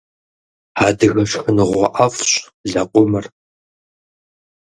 Адыгэ шхыныгъуэ ӏэфӏщ лэкъумыр.